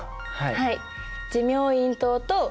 はい。